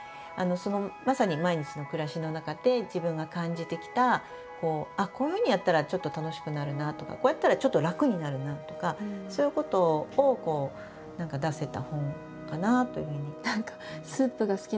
まさに毎日の暮らしの中で自分が感じてきたあっこういうふうにやったらちょっと楽しくなるなあとかこうやったらちょっと楽になるなあとかそういうことを何か出せた本かなというふうに。